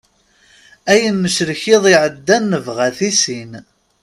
Ayen necrek iḍ iɛeddan nebɣa-t i sin.